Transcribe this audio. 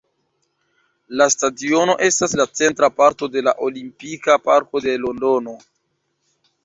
La stadiono estas la centra parto de la Olimpika Parko de Londono.